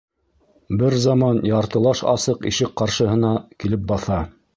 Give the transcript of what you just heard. Бер заман яртылаш асыҡ ишек ҡаршыһына килеп баҫа.